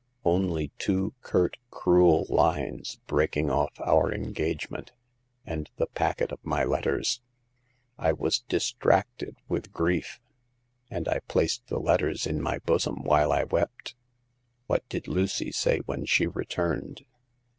Only two curt, cruel lines, breaking off our engagement, and the packet of my letters. I was distracted with grief ; and I placed the letters in my bosom while I wept." What did Lucy say when she returned